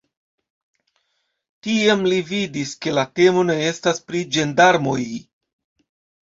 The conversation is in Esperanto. Tiam li vidis, ke la temo ne estas pri ĝendarmoj.